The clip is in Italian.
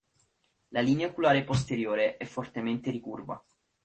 La linea oculare posteriore è fortemente ricurva.